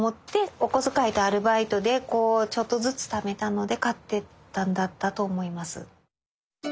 お小遣いとアルバイトでちょっとずつためたので買ってったんだったと思います。